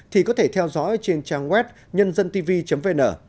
thì có thể theo dõi trên trang web nhândântv vn